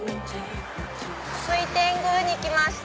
水天宮前に来ました。